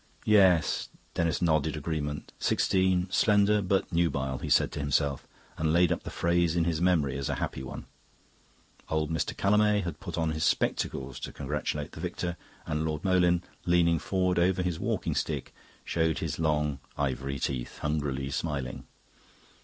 "Yes," Denis nodded agreement. Sixteen, slender, but nubile, he said to himself, and laid up the phrase in his memory as a happy one. Old Mr. Callamay had put on his spectacles to congratulate the victor, and Lord Moleyn, leaning forward over his walking stick, showed his long ivory teeth, hungrily smiling.